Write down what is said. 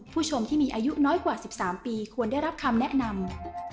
ผู้ชมที่มีอายุน้อยกว่า๑๓ปีควรได้รับคำแนะนำ